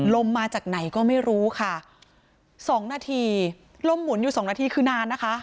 ลมมาจากไหนก็ไม่รู้ค่ะสองนาทีลมหมุนอยู่สองนาทีคือนานนะคะ